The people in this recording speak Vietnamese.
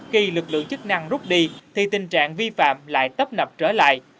khi lực lượng chức năng rút đi thì tình trạng vi phạm lại tấp nập trở lại